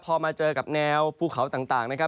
พอมาเจอกับแนวภูเขาต่างนะครับ